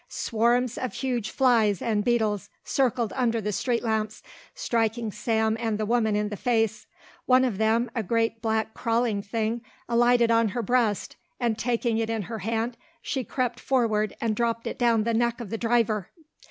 Swarms of huge flies and beetles circled under the street lamps, striking Sam and the woman in the face. One of them, a great black crawling thing, alighted on her breast, and taking it in her hand she crept forward and dropped it down the neck of the driver.